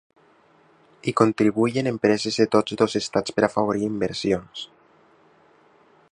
Hi contribuïen empreses de tots dos estats per afavorir inversions.